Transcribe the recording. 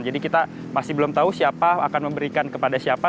jadi kita masih belum tahu siapa akan memberikan kepada siapa